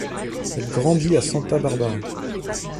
Elle grandit à Santa Barbara.